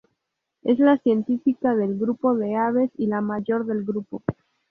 Es la científica del grupo de aves y la mayor del grupo.